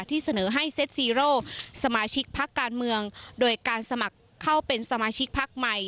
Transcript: ที่เสนอให้เซ็ตซีโร่สมาชิกพักการเมืองโดยการสมัครเข้าเป็นสมาชิกพักใหม่